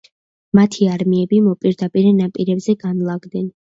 მათი არმიები მოპირდაპირე ნაპირებზე განლაგდნენ.